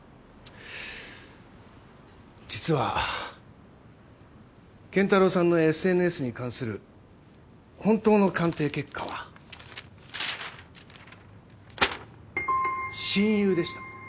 実は健太郎さんのＳＮＳに関する本当の鑑定結果は「親友」でした。